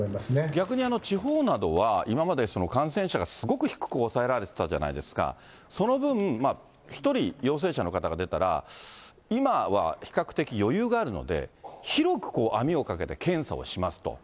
逆に地方などは、今まで感染者がすごく低く抑えられてたじゃないですか、その分、１人陽性者の方が出たら、今は比較的余裕があるので、広く網をかけて検査をしますと。